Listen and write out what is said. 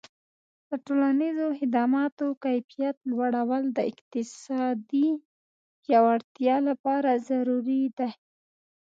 د ټولنیزو خدماتو کیفیت لوړول د اقتصادي پیاوړتیا لپاره ضروري دي.